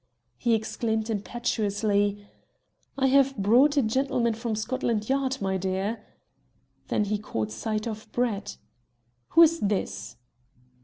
He exclaimed impetuously "I have brought a gentleman from Scotland Yard, my dear." Then he caught sight of Brett. "Who is this?"